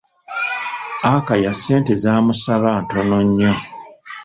Akaya ssente z'amusaba ntonno nnyo.